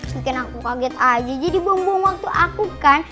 mungkin aku kaget aja jadi buang buang waktu aku kan